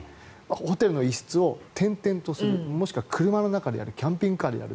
ホテルの一室を転々とするもしくは車の中でやるキャンピングカーでやる。